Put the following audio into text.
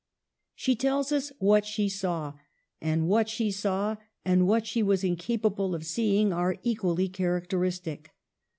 She tells us what she saw ; and what she saw and what she was incapable of seeing are equally characteristic.